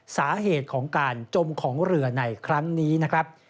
สาเหตุของการจมของเรือในครั้งนี้นะครับ